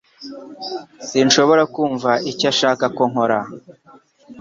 Sinshobora kumva icyo ashaka ko nkora